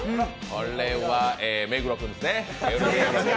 これは目黒君ですね。